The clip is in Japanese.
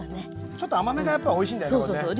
ちょっと甘めがやっぱおいしいんだよねこれね。